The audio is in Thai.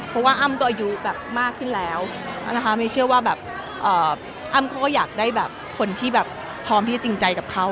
เพราะว่าอ้ำก็อายุแบบมากขึ้นแล้วนะคะเมย์เชื่อว่าแบบอ้ำเขาก็อยากได้แบบคนที่แบบพร้อมที่จะจริงใจกับเขา